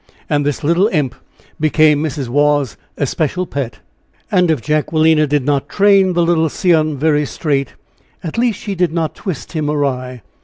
And this little imp became Mrs. Waugh's especial pet. And if Jacquelina did not train the little scion very straight, at least she did not twist him awry.